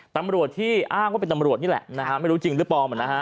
ตำรวจที่อ้างว่าเป็นตำรวจนี่แหละนะฮะไม่รู้จริงหรือเปล่านะฮะ